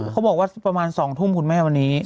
เขาบอกว่าประมาณ๒ทุ่มคุณแม่วันนี้